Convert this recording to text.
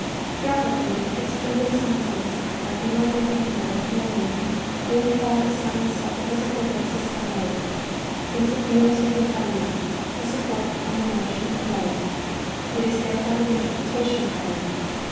Geography, with its kindred sciences of inorganic matter here named, ma}^ be called the science of the physical basis of life, since it deals with the environment, the support and the nourishment of life; it is therefore the interpretation of life.